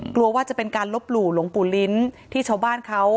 กลัวว่าจะเป็นการลบหลู่หลวงปู่ลิ้นที่ชาวบ้านเขา